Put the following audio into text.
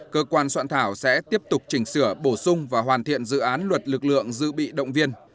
cơ quan soạn thảo sẽ tiếp tục chỉnh sửa bổ sung và hoàn thiện dự án luật lực lượng dự bị động viên